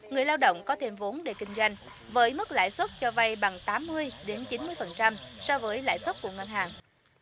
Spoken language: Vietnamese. người lao động có thêm vốn để kinh doanh với mức lãi suất cho vay bằng tám mươi chín mươi so với lãi suất của ngân hàng